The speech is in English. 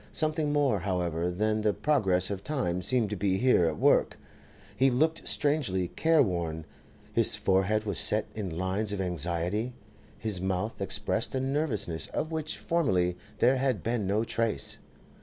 Something more, however, than the progress of time seemed to be here at work. He looked strangely careworn; his forehead was set in lines of anxiety; his mouth expressed a nervousness of which formerly there had been no trace.